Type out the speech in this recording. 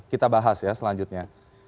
kita bahas ya selanjutnya